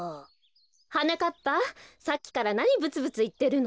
はなかっぱさっきからなにぶつぶついってるの？